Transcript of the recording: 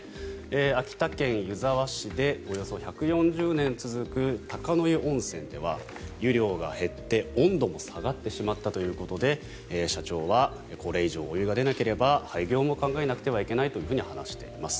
秋田県湯沢市でおよそ１４０年続く鷹の湯温泉では湯量が減って温度も下がってしまったということで社長はこれ以上お湯が出なければ廃業も考えなければいけないと話しています。